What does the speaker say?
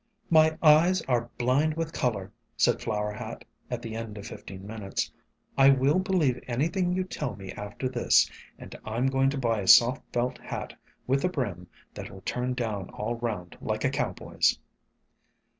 " My eyes are blind with color," said Flower Hat, at the end of fifteen minutes. "I will believe anything you tell me after this, and I 'm going to buy a soft felt hat with a brim that will turn down all round like a cowboy's!"